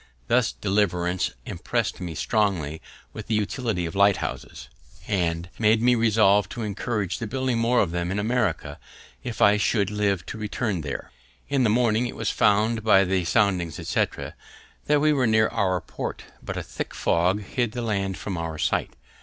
This deliverance impressed me strongly with the utility of lighthouses, and made me resolve to encourage the building more of them in America if I should live to return there. In the morning it was found by the soundings, etc., that we were near our port, but a thick fog hid the land from our sight.